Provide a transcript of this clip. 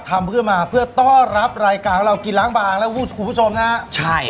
ทำเพื่อมาเพื่อต้อนรับรายการของเรากินล้างบางแล้วคุณผู้ชมนะฮะใช่